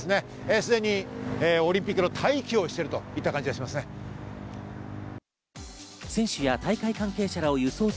すでにオリンピックの待機をしているといった感じです。